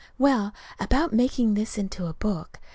Well, about making this into a book.